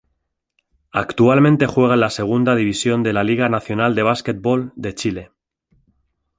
Actualmente juega en la Segunda División de la Liga Nacional de Básquetbol de Chile.